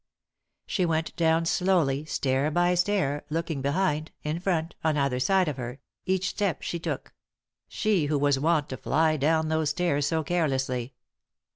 She went down slowly, stair by stair, looking behind, in front, on either side of her, each step she took ; she who was wont to fly down those stairs so carelessly.